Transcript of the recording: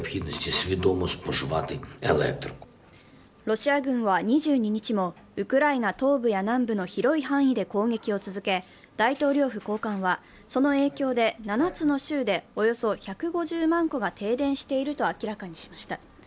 ロシア軍は２２日もウクライナ東部や南部の広い範囲で攻撃を続け、大統領府高官は、その影響で７つの州でおよそ１５０万戸が停電していると明らかにしました。